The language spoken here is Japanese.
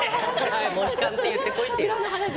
モヒカンって言ってこいって。